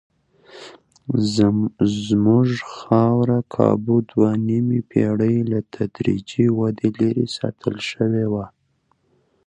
زموږ خاوره کابو دوه نیمې پېړۍ له تدریجي ودې لرې ساتل شوې وه.